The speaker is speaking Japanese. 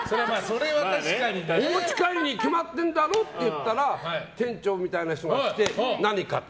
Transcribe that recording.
お持ち帰りに決まってんだろって言ったら店長みたいな人が来て何か？と。